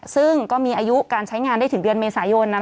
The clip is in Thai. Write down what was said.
ซึ่งก็มีอายุการใช้งานได้ถึงเดือนเมษายน